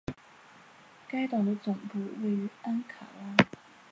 该党的总部位于安卡拉。